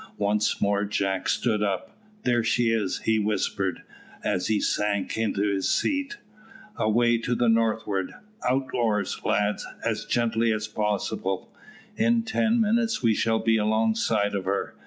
Once more Jack stood up. "There she is," he whispered, as he sank into his seat. "Away to the northward. Out oars, lads, as gently as possible. In ten minutes we shall be alongside of her."